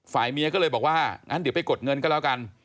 เมียก็เลยบอกว่างั้นเดี๋ยวไปกดเงินก็แล้วกัน